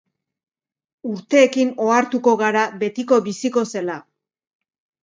Urteekin ohartuko gara betiko biziko zela.